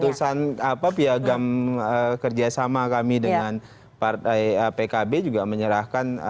keputusan piagam kerjasama kami dengan partai pkb juga menyerahkan